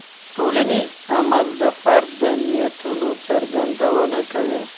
ټولنیز عمل د فرد د نیتونو څرګندونه کوي.